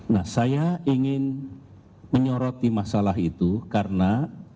nah saya ingin menyoroti masalah itu karena